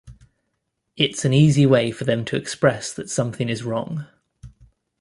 It's an easy way for them to express that something is wrong.